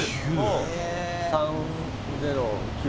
３０９。